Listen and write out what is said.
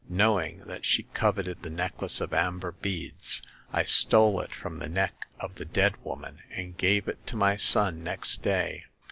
Knowing that she coveted the necklace of amber beads, I stole it from the neck of the dead woman and gave it to my son next day.